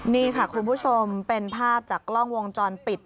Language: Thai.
นี่ค่ะคุณผู้ชมเป็นภาพจากกล้องวงจรปิด